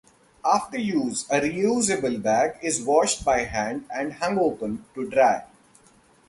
After use, a reusable bag is washed by hand and hung open to dry.